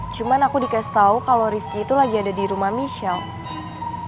cuma aku dikasih tahu kalau rifki itu lagi ada di rumah michelle